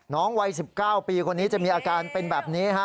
วัย๑๙ปีคนนี้จะมีอาการเป็นแบบนี้ฮะ